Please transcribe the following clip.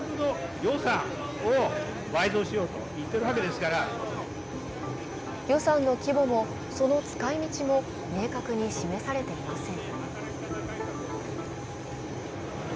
しかし予算の規模も、その使い道も明確に示されていません。